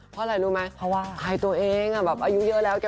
ไปรู้ไหมไปตัวเองอายุเยอะแหละ